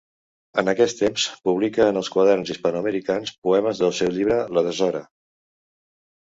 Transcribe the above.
En aquest temps publica en els Quaderns Hispanoamericans poemes del seu llibre La Deshora.